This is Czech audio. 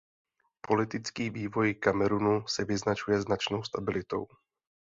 Politický vývoj Kamerunu se vyznačuje značnou stabilitou.